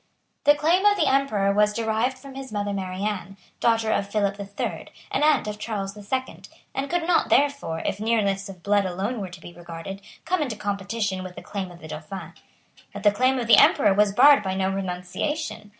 The claim of the Emperor was derived from his mother Mary Anne, daughter of Philip the Third, and aunt of Charles the Second, and could not therefore, if nearness of blood alone were to be regarded, come into competition with the claim of the Dauphin. But the claim of the Emperor was barred by no renunciation.